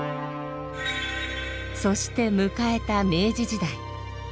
そして迎えた明治時代。